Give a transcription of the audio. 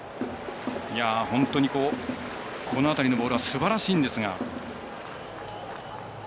本当に、この辺りのボールはすばらしいんですが。